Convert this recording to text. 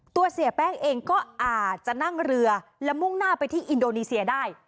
เสียแป้งเองก็อาจจะนั่งเรือและมุ่งหน้าไปที่อินโดนีเซียได้